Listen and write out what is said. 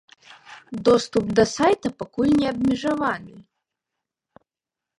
Доступ да сайта пакуль не абмежаваны.